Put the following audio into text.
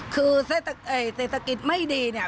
คือเศรษฐกิจไม่ดีเนี่ย